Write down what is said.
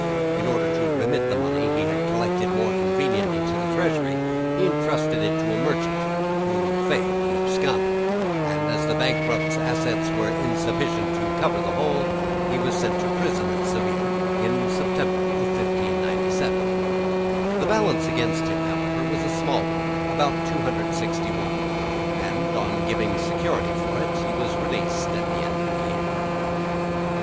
In order to remit the money he had collected more conveniently to the treasury, he entrusted it to a merchant, who failed and absconded; and as the bankrupt's assets were insufficient to cover the whole, he was sent to prison at Seville in September 1597. The balance against him, however, was a small one, about 26l., and on giving security for it he was released at the end of the year.